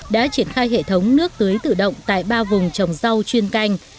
đã triển khai hệ thống nước tưới tự động tại ba vùng trồng rau chuyên canh